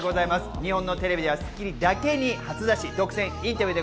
日本のテレビで『スッキリ』だけに初出し独占インタビューです。